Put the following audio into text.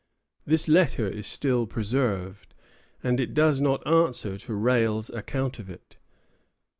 This letter is still preserved, and it does not answer to Rale's account of it.